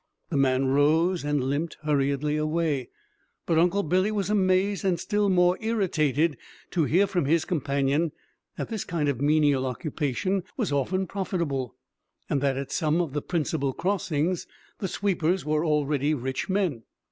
The man rose and limped hurriedly away; but Uncle Billy was amazed and still more irritated to hear from his companion that this kind of menial occupation was often profitable, and that at some of the principal crossings the sweepers were already rich men.